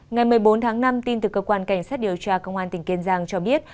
ngày một mươi bốn tháng năm tin từ cơ quan cảnh sát điều tra công an tp thái bình cho biết